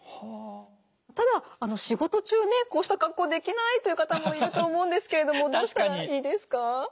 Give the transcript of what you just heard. ただ仕事中ねこうした格好できないという方もいると思うんですけれどもどうしたらいいですか？